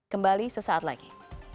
kembali sesaat lagi